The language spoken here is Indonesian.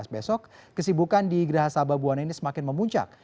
dua ribu tujuh belas besok kesibukan di gerah sabah buwana ini semakin memuncak